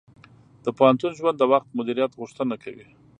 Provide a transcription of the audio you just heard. د پوهنتون ژوند د وخت مدیریت غوښتنه کوي.